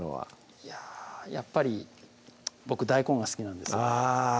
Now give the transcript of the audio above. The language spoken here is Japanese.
いややっぱり僕大根が好きなんですあぁ